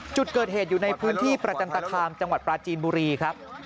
จุดเกิดเหตุอยู่ในพื้นที่ประจันตคามจังหวัดปราจีนบุรีครับ